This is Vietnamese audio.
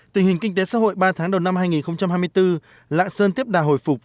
tình hình kinh tế xã hội ba tháng đầu năm hai nghìn hai mươi bốn lạng sơn tiếp đà hồi phục